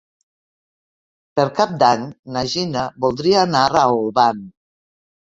Per Cap d'Any na Gina voldria anar a Olvan.